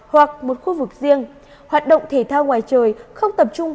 hoặc một khu vực riêng hoạt động thể thao ngoài trời không tập trung